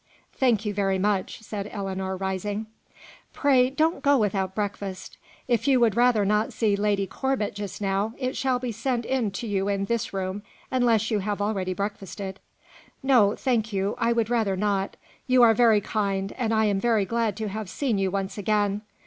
"Thank you very much," said Ellinor rising. "Pray don't go without breakfast. If you would rather not see Lady Corbet just now, it shall be sent in to you in this room, unless you have already breakfasted." "No, thank you; I would rather not. You are very kind, and I am very glad to have seen you once again.